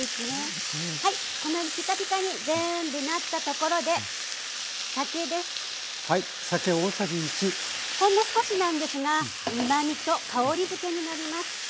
このピカピカに全部なったところでほんの少しなんですがうまみと香りづけになります。